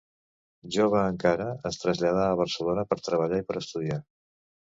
Jove encara, es traslladà a Barcelona, per treballar i per estudiar.